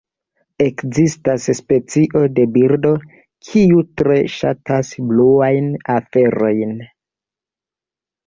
Ekzistas specio de birdo kiu tre ŝatas bluajn aferojn.